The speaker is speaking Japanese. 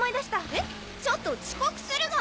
えっちょっと遅刻するが！